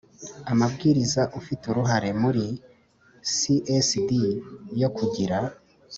Amabwiriza ufite uruhare muri csd yo kugira